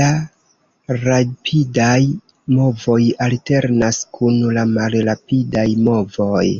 La rapidaj movoj alternas kun la malrapidaj movoj.